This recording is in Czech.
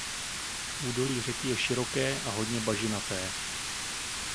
Údolí řeky je široké a hodně bažinaté.